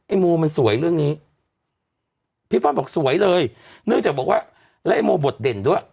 โมมันสวยเรื่องนี้พี่ฟ่อนบอกสวยเลยเนื่องจากบอกว่าแล้วไอ้โมบทเด่นด้วย